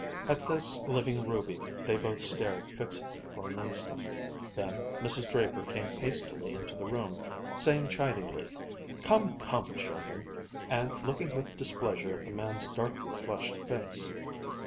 At this living ruby they both stared fixedly for an instant; then Mrs. Draper came hastily into the room, saying chidingly, "Come, come, children!" and looking with displeasure at the man's darkly flushed face.